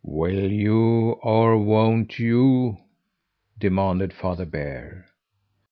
"Will you or won't you?" demanded Father Bear.